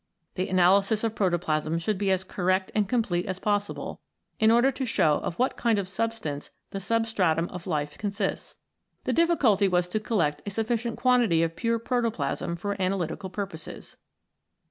The analysis of protoplasm should be as correct and complete as possible, in order to show of what kind of substance the substratum of life consists. The difficulty was to collect a sufficient quantity of pure protoplasm for analytical purposes.